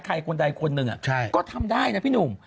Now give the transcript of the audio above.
ใครคนใดคนนึงอ่ะก็ทำได้นะพี่หนุ่ม